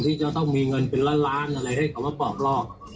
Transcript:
ที่จะต้องมีเงินเป็นล้านล้านอะไรให้เขามาปอกลอก